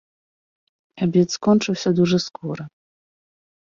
Абед скончыўся дужа скора.